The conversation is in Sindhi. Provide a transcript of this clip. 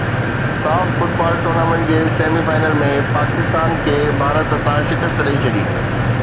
ساف فٽبال ٽورنامينٽ جي سيمي فائنل ۾ پاڪستان کي ڀارت هٿان شڪست ڏئي ڇڏي